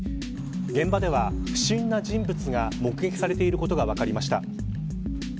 現場では、不審な人物が目撃されていることが分かりました。